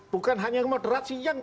bukan hanya moderasi